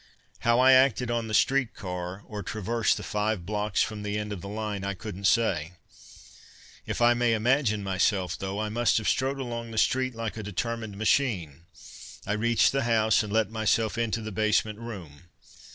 How I acted on the streetcar, or traversed the five blocks from the end of the line, I couldn't say. If I may imagine myself, though, I must have strode along the street like a determined machine. I reached the house and let myself into the basement room.